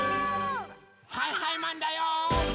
はいはいマンだよ！